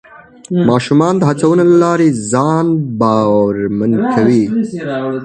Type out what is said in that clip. ماشومان د هڅونې له لارې ځان باورمن کوي